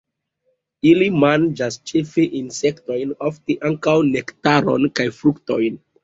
Ili manĝas ĉefe insektojn, ofte ankaŭ nektaron kaj fruktojn.